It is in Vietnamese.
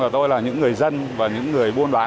tôi là những người dân và những người buôn bán